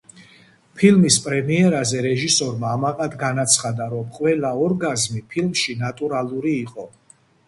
ფილმის პრემიერაზე რეჟისორმა ამაყად განაცხადა, რომ ყველა ორგაზმი ფილმში ნატურალური იყო.